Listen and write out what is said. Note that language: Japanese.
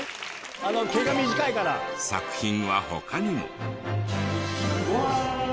作品は他にも。うわ！